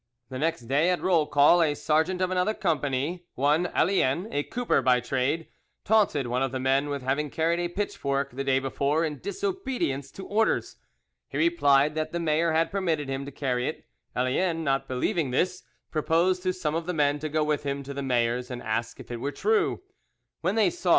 The next day, at roll call, a sergeant of another company, one Allien, a cooper by trade, taunted one of the men with having carried a pitchfork the day before, in disobedience to orders. He replied that the mayor had permitted him to carry it; Allien not believing this, proposed to some of the men to go with him to the mayor's and ask if it were true. When they saw M.